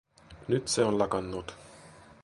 Nyt se on lakannut.